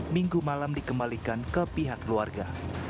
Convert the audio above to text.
minggu malam dikembalikan ke pihak keluarga